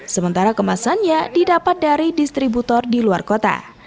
sementara kemasannya didapat dari distributor di luar kota